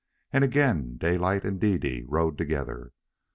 And again Daylight and Dede rode together.